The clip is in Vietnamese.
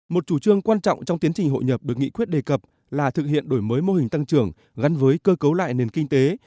một chủ trương quan trọng trong tiến trình hội nhập được nghị quyết đề cập là thực hiện đổi mới mô hình tăng trưởng gắn với cơ cấu lại nền kinh tế